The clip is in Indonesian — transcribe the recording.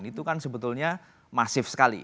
itu kan sebetulnya masif sekali